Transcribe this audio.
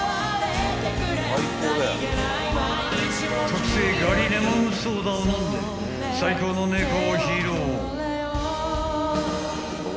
［特製ガリレモンソーダを飲んで最高の『猫』を披露］